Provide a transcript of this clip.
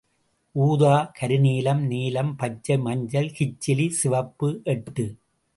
ஊதா, கருநீலம், நீலம், பச்சை, மஞ்சள், கிச்சிலி, சிவப்பு எட்டு.